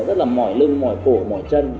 rất là mỏi lưng mỏi cổ mỏi thân